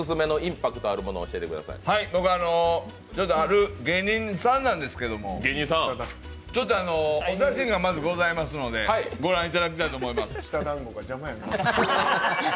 僕は、ある芸人さんなんですけど、ちょっとお写真がまずございますので御覧いただきたいと思います。